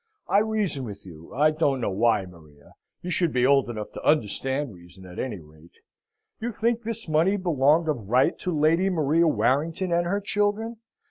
I reason with you, I don't know why, Maria. You should be old enough to understand reason, at any rate. You think this money belonged of right to Lady Maria Warrington and her children?